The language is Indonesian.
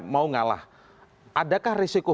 mau ngalah adakah risiko